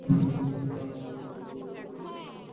না না বাই, ভাষণ তো তোমাকে দিতেই হবে!